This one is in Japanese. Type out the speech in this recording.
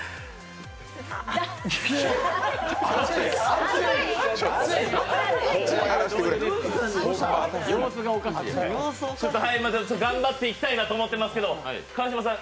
暑い？頑張っていきたいなと思ってますけど川島さん